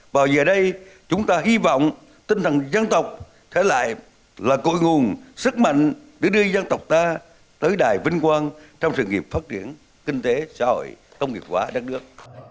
và giờ đây chúng ta hy vọng tinh thần dân tộc thể lại là cội nguồn sức mạnh để đưa dân tộc ta tới đài vinh quang trong sự nghiệp phát triển kinh tế xã hội công nghiệp hóa đất nước